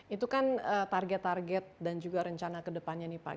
itu kan target target dan juga rencana kedepannya nih pak